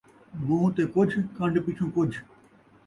مون٘ہہ تے کُجھ ، کن٘ڈ پچھوں کُجھ